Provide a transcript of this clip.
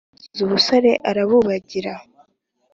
Ukize ubusore arabubagira.